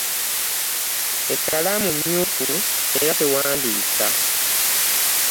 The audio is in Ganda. Ekkalaamu myufu era tewandiika.